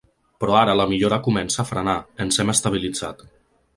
Però ara la millora comença a frenar, ens hem estabilitzat.